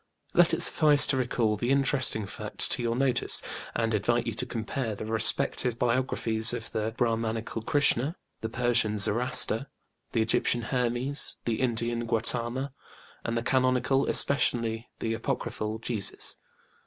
Let it suffice to recall the interesting fact to your notice, and invite you to compare the respective biographies of the BrÄhmanĖĢical KrĖĢsĖĢhnĖĢa, the Persian Zoroaster, the Egyptian Hermes, the Indian GautĖĢama, and the canonical, especially the apocryphal, Jesus.